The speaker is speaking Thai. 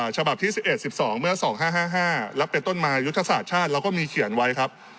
ฉบับที่๑๑๑๒เมื่อ๒๕๕๕แล้วเป็นต้นมายุทธศาสตร์ชาติเราก็มีเขียนไว้ครับ